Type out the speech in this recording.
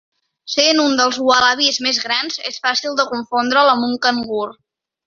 Sent un dels ualabis més grans, és fàcil de confondre'l amb un cangur.